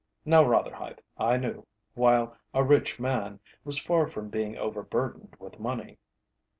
Now Rotherhithe, I knew, while a rich man, was far from being overburdened with money.